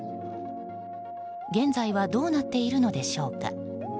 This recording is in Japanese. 現在はどうなっているのでしょうか。